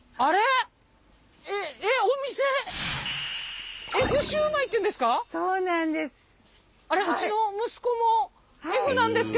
えっお店「えふシウマイ」っていうんですか？